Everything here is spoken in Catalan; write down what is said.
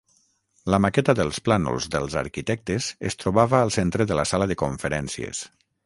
La maqueta dels plànols dels arquitectes es trobava al centre de la sala de conferències.